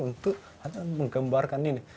untuk hanya menggambarkan ini